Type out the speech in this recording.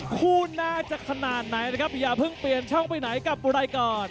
คู่แน่จากขนาดไหนนะครับอย่าเพิ่งเปลี่ยนช่องไปไหนกับวงการ์ดสมมุม